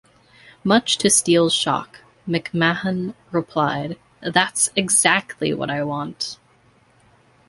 Much to Steele's shock, McMahon replied, That's exactly what I want!